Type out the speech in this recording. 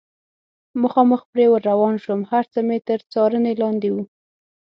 مخامخ پرې ور روان شوم، هر څه مې تر څارنې لاندې و.